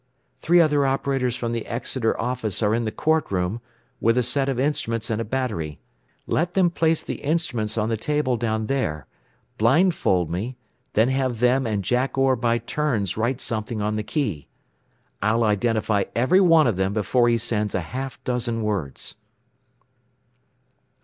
"Three other operators from the Exeter office are in the court room, with a set of instruments and a battery. Let them place the instruments on the table down there; blindfold me, then have them and Jack Orr by turns write something on the key. I'll identify every one of them before he sends a half dozen words."